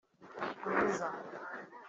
mwiza